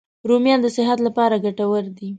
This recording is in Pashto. رومیان د صحت لپاره ګټور دي